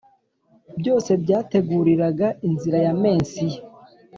byose byateguriraga inzira ya mensiya